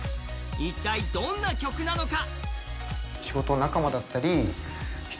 一体どんな曲なのか。